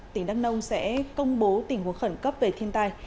tỉnh đắk nông sẽ công bố tình huống khẩn cấp về thiên tai